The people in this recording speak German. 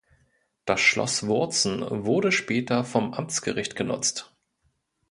Das Schloss Wurzen wurde später vom Amtsgericht genutzt.